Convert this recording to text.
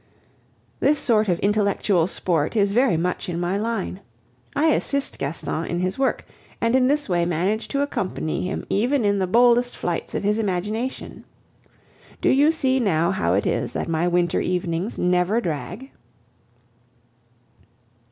This sort of intellectual sport is very much in my line. I assist Gaston in his work, and in this way manage to accompany him even in the boldest flights of his imagination. Do you see now how it is that my winter evenings never drag?